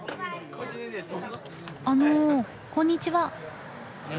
あのこんにちは。